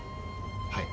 はい。